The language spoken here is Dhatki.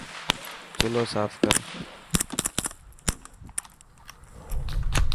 چلو صاف ڪر.